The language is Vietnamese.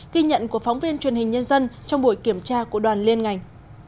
ghi nhận của phóng viên truyền hình nhân dân trong buổi kiểm tra của đoàn liên ngành